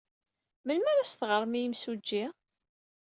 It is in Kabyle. Melmi ara as-teɣrem i yimsujji?